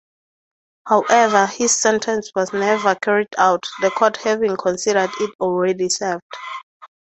However, his sentence was never carried out, the court having considered it already served.